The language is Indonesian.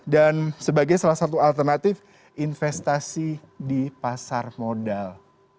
dan sebagai salah satu alternatif investasi di pasar modal